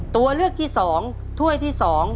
ตัวเลือกที่๒ถ้วยที่๒